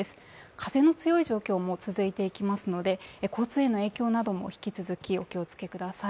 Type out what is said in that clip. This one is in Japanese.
風の強い状況も続いていきますので、交通への影響なども引き続きお気をつけください。